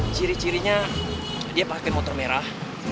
ciri cirinya dia pakai motor merah